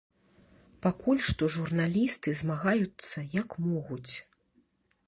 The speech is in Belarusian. Пакуль што журналісты змагаюцца як могуць.